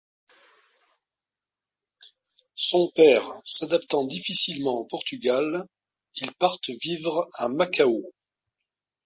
Son père s'adaptant difficilement au Portugal, ils partent vivre à Macao.